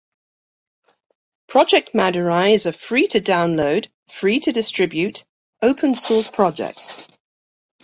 Project madurai is a free to download, free to distribute open source project.